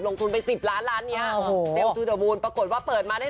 ลงทุนกันอีก๑๐ล้าน